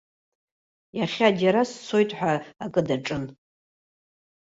Иахьа џьара сцоит ҳәа акы даҿын.